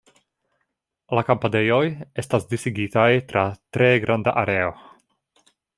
La kampadejoj estas disigitaj tra tre granda areo.